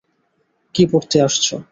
কি পড়তে আসছো?